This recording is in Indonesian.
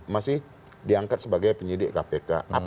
masih diangkat sebagai penyidik kpk